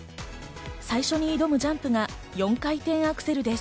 最初に挑むジャンプが４回転アクセルです。